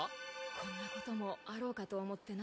こんなこともあろうかと思ってな